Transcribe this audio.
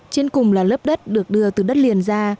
trên cùng là lớp đất được đưa từ đất liền ra